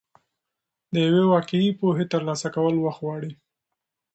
د یوې واقعي پوهې ترلاسه کول وخت غواړي.